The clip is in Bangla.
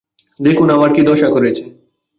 দেখুন, আমার কী দশা করেছে।